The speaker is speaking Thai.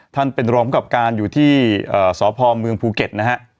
ท่านเป็นรองกับการอยู่ที่สพเมืองภูเก็ตนะฮะ